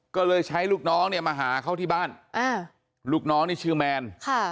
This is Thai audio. ก็เลยใช้ลูกน้องเนี่ยมาหาเขาที่บ้านลูกน้องนี่ชื่อแมน